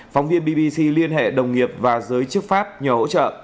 phóng viên bbc liên hệ đồng nghiệp và giới chức pháp nhờ hỗ trợ